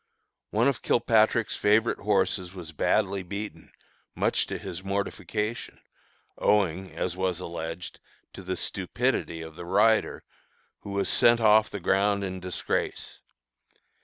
One of Kilpatrick's favorite horses was badly beaten, much to his mortification, owing, as was alleged, to the stupidity of the rider, who was sent off the ground in disgrace.